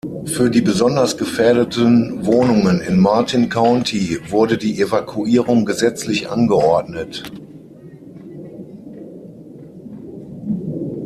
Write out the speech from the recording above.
Für die besonders gefährdeten Wohnungen in Martin County wurde die Evakuierung gesetzlich angeordnet.